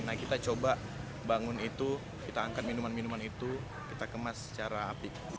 nah kita coba bangun itu kita angkat minuman minuman itu kita kemas secara apik